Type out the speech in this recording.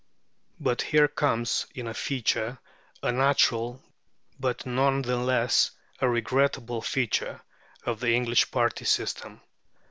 But here comes in a feature, a natural but none the less a regrettable feature, of the English party system.